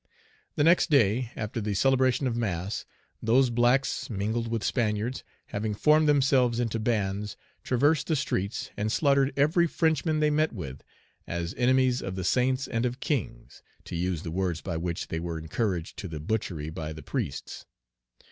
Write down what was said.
The next day, after the celebration of mass, those blacks mingled with Spaniards, having formed themselves into bands, traversed the streets, and slaughtered every Frenchman they Page 73 met with, as "enemies of the saints and of kings," to use the words by which they were encouraged to the butchery by the priests.